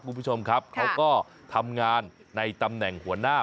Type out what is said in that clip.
คุณผู้ชมครับเขาก็ทำงานในตำแหน่งหัวหน้า